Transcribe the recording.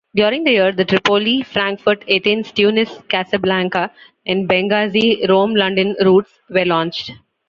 During the year, the Tripoli-Frankfurt-Athens-Tunis-Casablanca and Benghazi-Rome-London routes were launched.